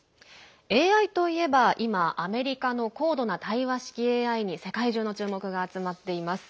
ＡＩといえば今アメリカの高度な対話式ＡＩに世界中の注目が集まっています。